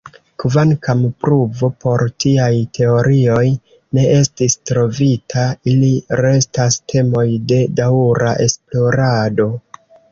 Kvankam pruvo por tiaj teorioj ne estis trovita, ili restas temoj de daŭra esplorado.